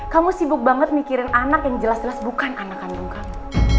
kamu sibuk banget mikirin anak yang jelas jelas bukan anak kandung kamu